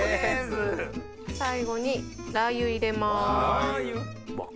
最後にラー油入れます。